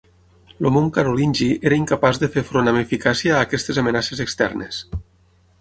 El món carolingi era incapaç de fer front amb eficàcia a aquestes amenaces externes.